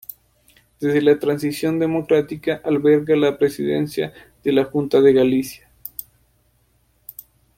Desde la transición democrática alberga la Presidencia de la Junta de Galicia.